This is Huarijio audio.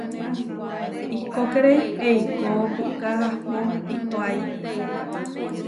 Ihkókere eikó puʼká ahpó itóai.